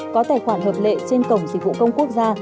có tài khoản hợp lệ trên cổng dịch vụ công quốc gia